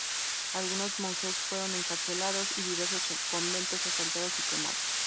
Algunos monjes fueron encarcelados y diversos conventos asaltados y quemados.